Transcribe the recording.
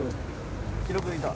記録いた？